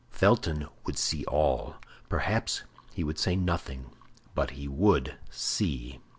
Felton would see all; perhaps he would say nothing, but he would see.